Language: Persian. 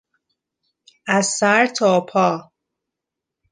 از سر تا پا